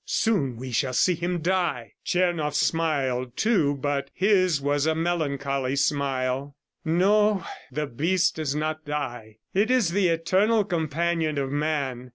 Soon we shall see him die." Tchernoff smiled, too, but his was a melancholy smile. "No; the beast does not die. It is the eternal companion of man.